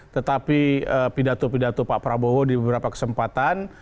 tetapi pidato pidato pak prabowo di beberapa kesempatan